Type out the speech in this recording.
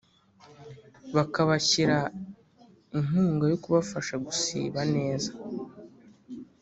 bakabashyira inkunga yo kubafasha gusiba neza